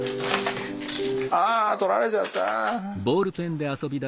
あ取られちゃった。